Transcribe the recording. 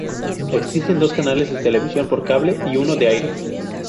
Existen dos canales de televisión por cable y uno de aire.